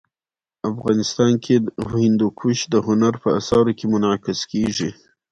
افغانستان کي هندوکش د هنر په اثارو کي منعکس کېږي.